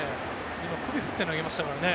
今、首振って投げましたからね。